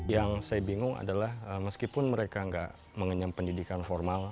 yang saya bingung adalah meskipun mereka tidak mengenyam pendidikan formal